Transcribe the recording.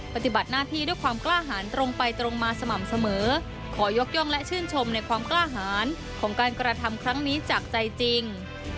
ปฏิบัติหน้าที่ด้วยความกล้าหารตรงไปตรงมาสม่ำเสมอขอยกย่องและชื่นชมในความกล้าหารของการกระทำครั้งนี้จากใจจริง